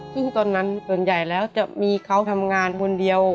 ซึ่งตอนนั้นส่วนใหญ่แล้วจะมีเขาทำงานคนเดียว